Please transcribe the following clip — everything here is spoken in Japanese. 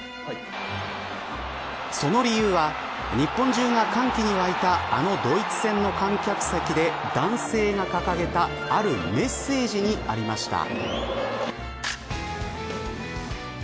その理由は日本中が歓喜に沸いたドイツ戦の観客席で男性が掲げたあるメッセージにありました。